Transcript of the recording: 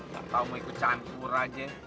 gak tau mau ikut campur aja